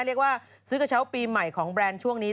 เรียกว่าซื้อกระเช้าปีใหม่ของแบรนด์ช่วงนี้